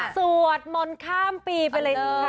สวดมนข้ามปีไปเลยที่นี้คะ